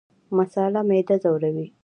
مساله معده ځوروي